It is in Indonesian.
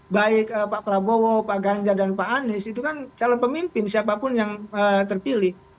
baik pak prabowo pak ganjar dan pak anies itu kan calon pemimpin siapapun yang terpilih